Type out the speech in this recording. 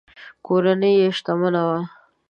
کورنۍ یې شتمنه وه.